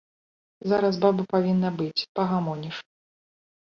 Зараз баба павінна быць, пагамоніш.